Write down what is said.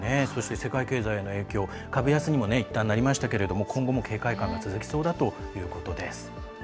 世界経済への影響株安にもいったんなりましたが今後も警戒感が続きそうだということです。